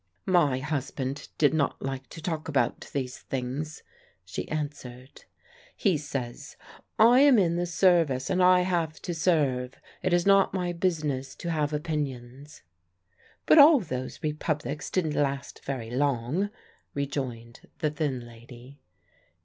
"My husband did not like to talk about these things," she answered. "He says, 'I am in the Service, and I have to serve. It is not my business to have opinions.'" "But all those Republics didn't last very long," rejoined the thin lady.